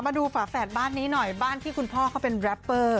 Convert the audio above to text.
ฝาแฝดบ้านนี้หน่อยบ้านที่คุณพ่อเขาเป็นแรปเปอร์